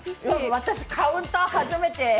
多分私、カウンター初めて。